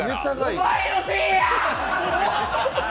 お前のせいや！